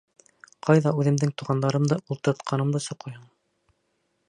Ҡайҙа үҙемдең туғандарымды ултыртҡанымды соҡойһоң.